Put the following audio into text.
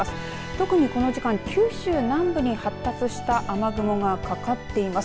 特にこの時間、九州南部に発達した雨雲がかかっています。